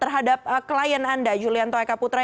terhadap klien anda julianto eka putra